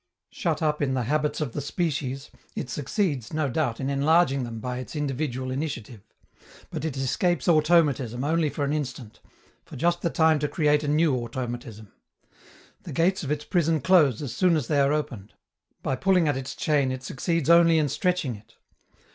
Shut up in the habits of the species, it succeeds, no doubt, in enlarging them by its individual initiative; but it escapes automatism only for an instant, for just the time to create a new automatism. The gates of its prison close as soon as they are opened; by pulling at its chain it succeeds only in stretching it.